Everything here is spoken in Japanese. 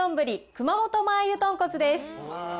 熊本マー油とんこつです。